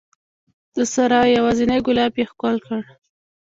د سرای یوازینی ګلاب یې ښکل کړ